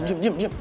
diam diam diam